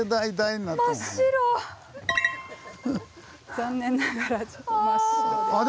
残念ながらちょっと真っ白で。